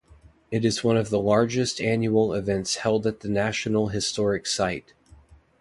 It is one of the largest annual events held at the National Historic Site.